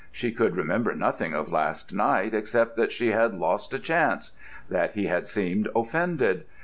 She could remember nothing of last night, except that she had lost a chance—that he had seemed offended.